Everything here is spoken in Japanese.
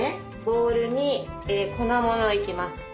ボウルに粉ものいきます。